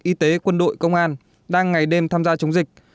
y tế quân đội công an đang ngày đêm tham gia chống dịch